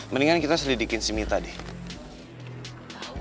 mendingan kita selidikin si mita deh